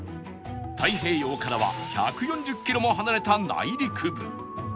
太平洋からは１４０キロも離れた内陸部